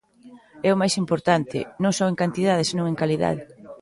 E o máis importante: non só en cantidade senón en calidade.